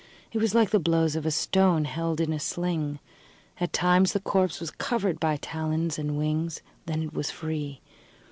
It was like the blows of a stone held in a sling. At times the corpse was covered by talons and wings; then it was free.